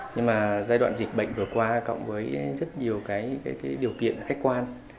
nhưng mà giai đoạn dịch bệnh vừa qua cộng với rất nhiều cái điều kiện khách quan